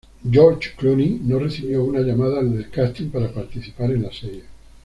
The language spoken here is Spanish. George Clooney no recibió una llamada del casting para participar de la serie.